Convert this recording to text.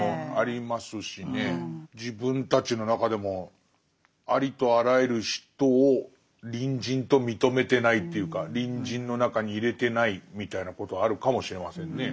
自分たちの中でもありとあらゆる人を隣人と認めてないというか隣人の中に入れてないみたいなことあるかもしれませんね。